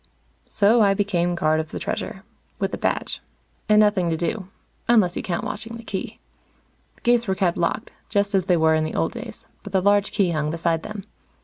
So I became guard of the Treasure. With a badge. And nothing to do unless you count watching the Key. The gates were kept locked, just as they were in the old days, but the large Key hung beside them.